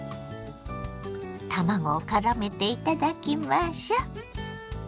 卵をからめていただきましょ。